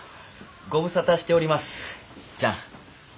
ご無沙汰しておりますじゃん。